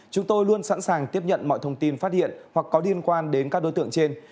chúng tôi luôn sẵn sàng tiếp nhận mọi thông tin phát hiện hoặc có liên quan đến các đối tượng trên